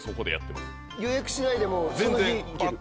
予約しないでもその日。